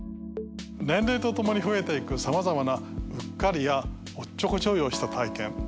年齢とともに増えていくさまざまなうっかりやおっちょこちょいをした体験。